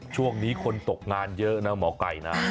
ช่วงนี้คนตกงานเยอะนะหมอไก่นะ